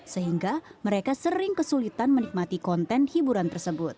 sehingga mereka sering kesulitan menikmati konten hiburan tersebut